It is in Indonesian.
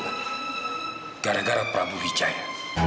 bapak di penjara gara gara prabu wijaya